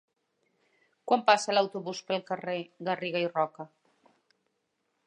Quan passa l'autobús pel carrer Garriga i Roca?